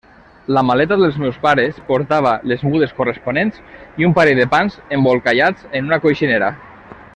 La maleta dels meus pares portava les mudes corresponents i un parell de pans embolcallats en una coixinera.